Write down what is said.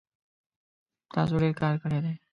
تاسو ډیر کار کړی دی